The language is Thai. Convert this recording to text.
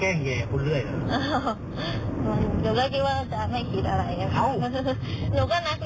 ก็ไม่เคยไปยุ่งคนอื่น